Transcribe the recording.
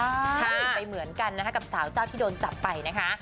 ใช่ไปเหมือนกันนะคะกับสาวเจ้าที่โดนจับไปนะคะ